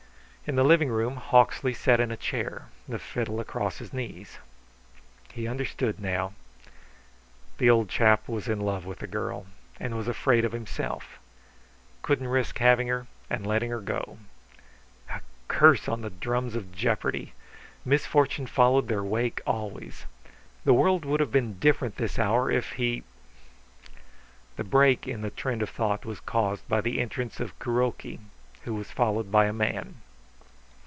In the living room Hawksley sat in a chair, the fiddle across his knees. He understood now. The old chap was in love with the girl, and was afraid of himself; couldn't risk having her and letting her go.... A curse on the drums of jeopardy! Misfortune followed their wake always. The world would have been different this hour if he The break in the trend of thought was caused by the entrance of Kuroki, who was followed by a man.